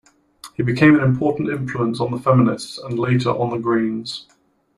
He became an important influence on the feminists and later on the Greens.